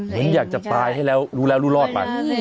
เหมือนอยากจะตายให้แล้วรู้แล้วรู้รอดไป